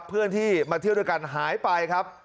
เพื่อนที่มาเที่ยวด้วยกันหายไปครับ